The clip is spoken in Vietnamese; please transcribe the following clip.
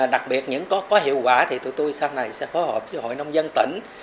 đặc biệt có hiệu quả thì tụi tôi sau này sẽ phối hợp với hội nông dân tỉnh